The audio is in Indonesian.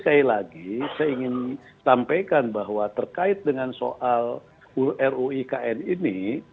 jadi saya ingin sampaikan bahwa terkait dengan soal ruikn ini